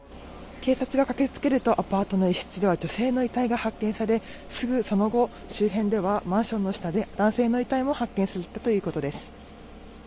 警察が駆けつけるとアパートの一室では女性の遺体が発見され、すぐその後、周辺ではマンションの下で男性の遺体も発見されたということです。